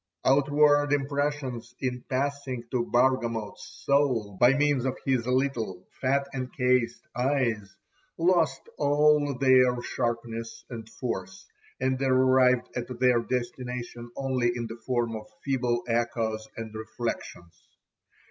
Outward impressions in passing to Bargamot's soul by means of his little fat encased eyes, lost all their sharpness and force, and arrived at their destination only in the form of feeble echoes and reflexions.